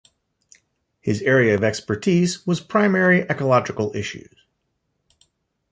His area of expertise was primary ecological issues.